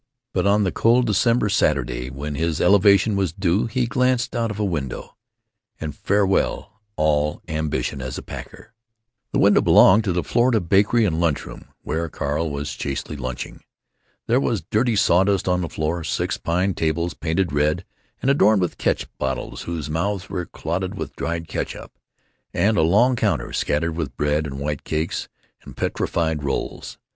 But on the cold December Saturday when his elevation was due he glanced out of a window, and farewell all ambition as a packer. The window belonged to the Florida Bakery and Lunch Room, where Carl was chastely lunching. There was dirty sawdust on the floor, six pine tables painted red and adorned with catsup bottles whose mouths were clotted with dried catsup, and a long counter scattered with bread and white cakes and petrified rolls.